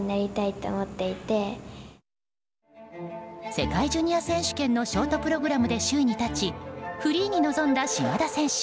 世界ジュニア選手権のショートプログラムで首位に立ちフリーに臨んだ島田選手。